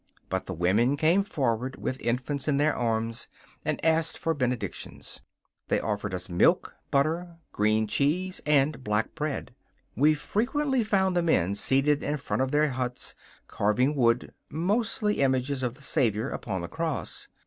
But the women came forward, with infants in their arms, and asked for benedictions. They offered us milk, butter, green cheese, and black bread. We frequently found the men seated in front of their huts, carving wood, mostly images of the Saviour upon the cross.